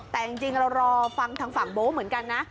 แต่จริงเรารอฟังทางฝั่งโบ๊เหมือนกันนะ